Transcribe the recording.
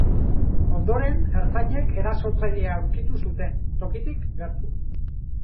Ondoren, ertzainek erasotzailea aurkitu zuten, tokitik gertu.